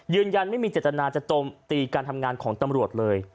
ยืนยันไม่มีเจตนาจะโจมตีการทำงานของตำรวจเลย